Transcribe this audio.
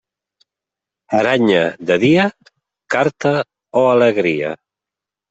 Aranya de dia, carta o alegria.